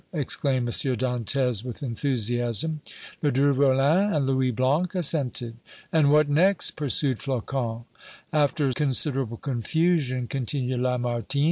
exclaimed M. Dantès, with enthusiasm. Ledru Rollin and Louis Blanc assented. "And what next?" pursued Flocon. "After considerable confusion," continued Lamartine, "M.